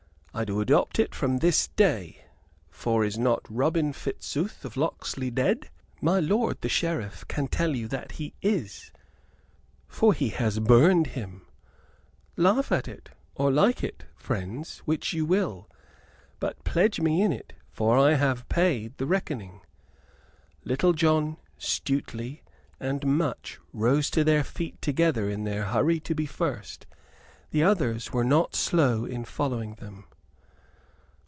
I do adopt it from this day; for is not Robin Fitzooth of Locksley dead? My lord the Sheriff can tell you that he is, for he has burned him. Laugh at it, or like it, friends, which you will. But pledge me in it, for I have paid the reckoning." Little John, Stuteley, and Much rose to their feet together in their hurry to be first. The others were not slow in following them.